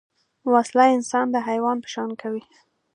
وسله انسان د حیوان په شان کوي